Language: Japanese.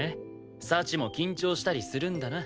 幸も緊張したりするんだな。